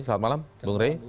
selamat malam bung ray